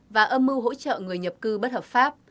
và âm mưu hỗ trợ người nhập cư bất hợp pháp